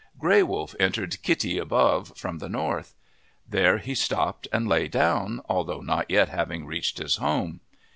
Gray Wolf entered Kitti above, from the north. There he stopped and lay down, although not yet having reached his home.